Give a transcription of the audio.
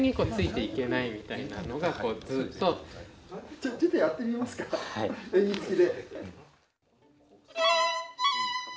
じゃちょっとやってみますか演技つきで。